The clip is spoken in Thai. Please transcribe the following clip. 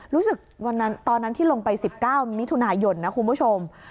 รู้สึกวันนั้นที่ลงไป๑๙มิถุนายนนะคุณผู้ชม